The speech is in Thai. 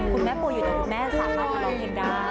ป่วยอยู่กับคุณแม่สามารถมาร้องเพลงได้